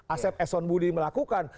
asep eson budi melakukan